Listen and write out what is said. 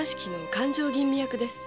勘定吟味役ですか？